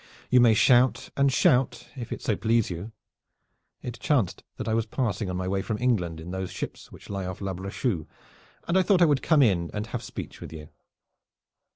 You may shout and shout, if it so please you. It chanced that I was passing on my way from England in those ships which lie off La Brechou, and I thought I would come in and have speech with you."